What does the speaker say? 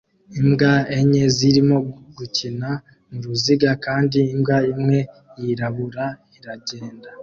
Imbwa enye zirimo gukina muruziga kandi imbwa imwe yirabura iragenda